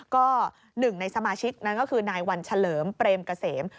ก็หนึ่งในสมาชิกนั้นก็คือนายวันเฉลิมเปรมเกษม